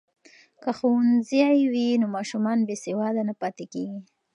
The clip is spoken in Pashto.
که ښوونځی وي نو ماشومان بې سواده نه پاتیږي.